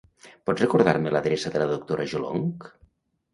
Pots recordar-me l'adreça de la doctora Jolonch?